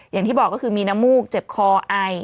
อย่างที่บอกก็คือมีน้ำมูกเจ็บคอไอ